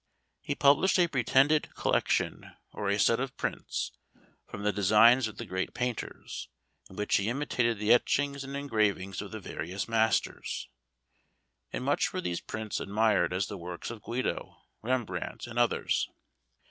He published a pretended collection, or a set of prints, from the designs of the great painters; in which he imitated the etchings and engravings of the various masters, and much were these prints admired as the works of Guido, Rembrandt, and others.